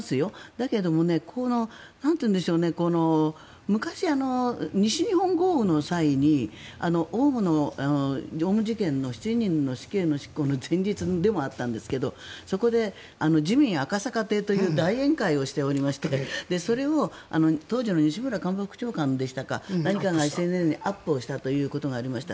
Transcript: だけども、昔西日本豪雨の際にオウム事件の７人の死刑の執行の前日でもあったんですけどそこで自民赤坂亭という大宴会をしていましてそれを当時の西村官房副長官が何かがＳＮＳにアップしたということがありました。